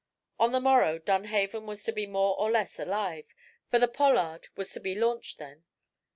On the morrow Dunhaven was to be more or less alive, for the "Pollard" was to be launched then.